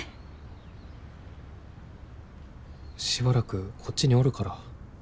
しばらくこっちにおるから。